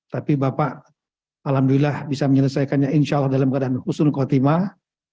tapi bapak alhamdulillah bisa menyelesaikannya insya allah dalam keadaan husun khotimah